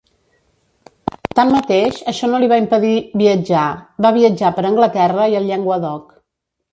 Tanmateix, això no li va impedir viatjar: va viatjar per Anglaterra i el Llenguadoc.